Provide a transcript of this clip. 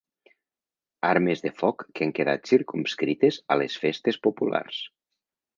Armes de foc que han quedat circumscrites a les festes populars.